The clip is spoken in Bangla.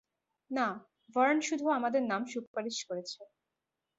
না, ভার্ন শুধু আমাদের নাম সুপারিশ করেছে।